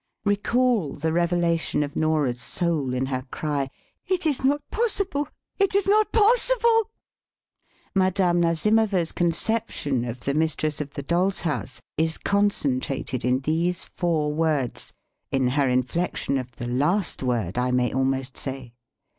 Recall the revelation of Nora's soul in her cry: "It is not possible! It is not possible!" Madame Nazimova's conception of the mistress of "The Doll's House" is concentrated in these four words in her inflection of the last word, I may almost say.